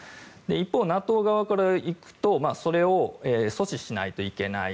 一方、ＮＡＴＯ側から行くとそれを阻止しないといけない。